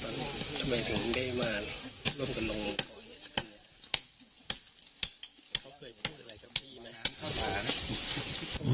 ทำไมถึงได้มากร่วมกับน้อง